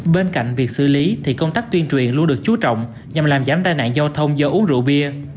bên cạnh việc xử lý thì công tác tuyên truyền luôn được chú trọng nhằm làm giảm tai nạn giao thông do uống rượu bia